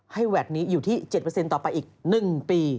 แวดนี้อยู่ที่๗ต่อไปอีก๑ปี